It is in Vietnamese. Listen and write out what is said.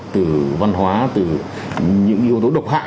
từ văn hóa từ những yếu tố độc hại